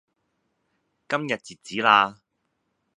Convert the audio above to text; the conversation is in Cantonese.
今日截止啦